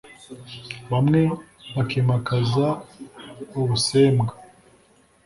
bamwe bakimakaza ubusembwa,